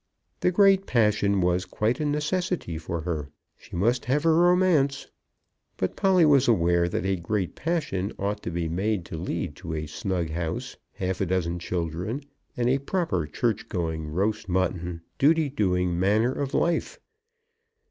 The great passion was quite a necessity for her. She must have her romance. But Polly was aware that a great passion ought to be made to lead to a snug house, half a dozen children, and a proper, church going, roast mutton, duty doing manner of life.